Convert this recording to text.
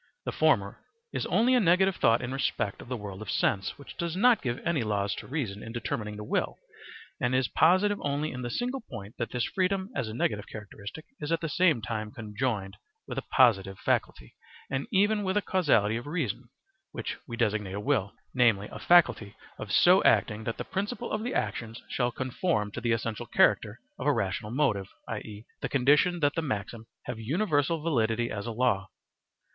The former is only a negative thought in respect of the world of sense, which does not give any laws to reason in determining the will and is positive only in this single point that this freedom as a negative characteristic is at the same time conjoined with a (positive) faculty and even with a causality of reason, which we designate a will, namely a faculty of so acting that the principle of the actions shall conform to the essential character of a rational motive, i.e., the condition that the maxim have universal validity as a law.